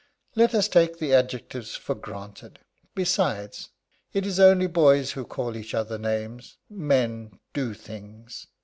"Let us take the adjectives for granted. Besides, it is only boys who call each other names men do things.